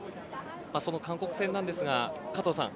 その韓国戦なんですが、加藤さん